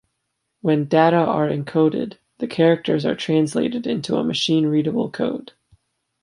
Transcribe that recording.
When data are encoded, the characters are translated into a machine readable code.